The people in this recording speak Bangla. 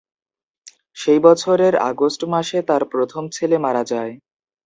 সেই বছরের আগস্ট মাসে তার প্রথম ছেলে মারা যায়।